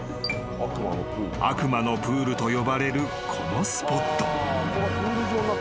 ［悪魔のプールと呼ばれるこのスポット］